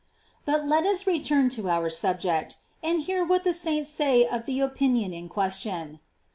"f But let us return to our subject, and hear what the saints say of the opinion in question.